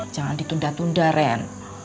jangan ditunda tunda ren